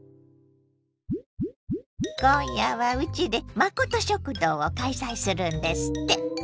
今夜はうちで「まこと食堂」を開催するんですって！